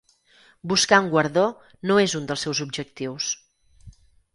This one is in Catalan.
Buscar un guardó no és un dels seus objectius.